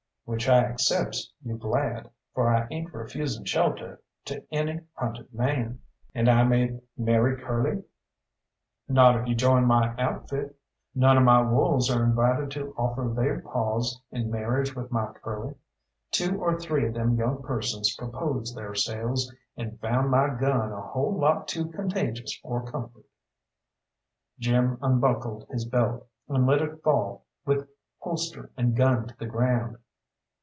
"Which I accepts you glad, for I ain't refusing shelter to any hunted man." "And I may marry Curly?" "Not if you join my outfit. None of my wolves are invited to offer theyr paws in mar'iage with my Curly. Two or three of them young persons proposed theyrselves, and found my gun a whole lot too contagious for comfort." Jim unbuckled his belt, and let it fall with holster and gun to the ground.